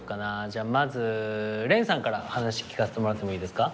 じゃあまずれんさんから話聞かせてもらってもいいですか？